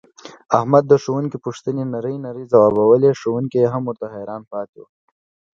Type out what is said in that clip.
احمد د ښوونکي پوښتنې نرۍ نرۍ ځواوبولې ښوونکی یې هم ورته حیران پاتې و.